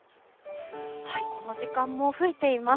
この時間も吹いています。